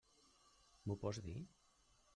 M'ho pots dir?